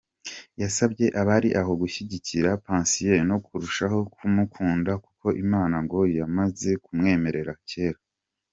Yasabye abari aho gushyigikira Patient no kurushaho kumukunda kuko Imana ngo yamaze kumwemera kera.